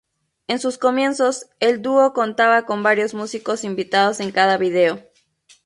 En sus comienzos, el dúo contaba con varios músicos invitados en cada video.